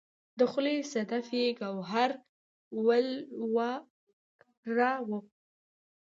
د خولې صدف یې ګوهر ولوراوه